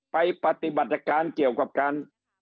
ปฏิบัติการเกี่ยวกับการ